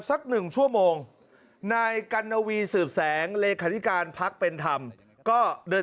สักหนึ่งชั่วโมงนายกัณวีสืบแสงเลขาธิการพักเป็นธรรมก็เดิน